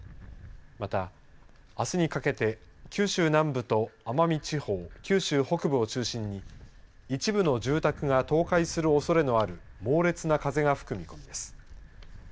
また、あすにかけて九州南部と奄美地方、九州北部を中心に一部の住宅が倒壊するおそれのある猛烈な風が吹く見込みです。